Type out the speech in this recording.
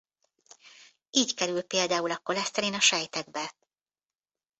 Így kerül például a koleszterin a sejtekbe.